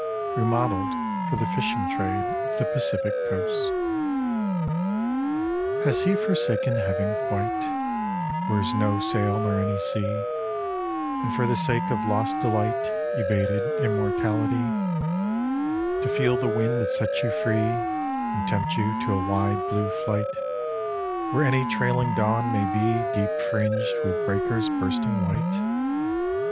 (Remodeled for the fishing trade of the Pacific Coast) Has he forsaken heaven quite Where is no sail nor any sea, And for the sake of lost delight Evaded immortality, To feel the wind that sets you free, And tempt you to a wide blue flight Where any trailing dawn may be Deep fringed with breakers bursting white?